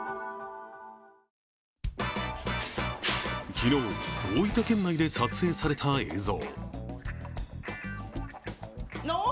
昨日、大分県内で撮影された映像。